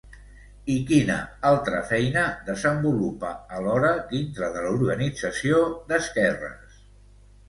I quina altra feina desenvolupa alhora dintre de l'organització d'esquerres?